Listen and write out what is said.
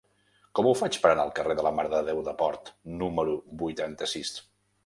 Com ho faig per anar al carrer de la Mare de Déu de Port número vuitanta-sis?